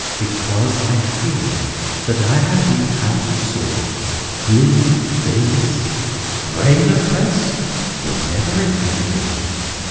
Because I feel that I have been out of sorts, gloomy, bilious, brain oppressed, whatever it may be.